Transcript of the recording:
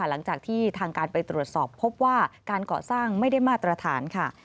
หลังจากที่ทางการไปตรวจสอบพบว่าการก่อสร้างไม่ได้มาตรฐานค่ะ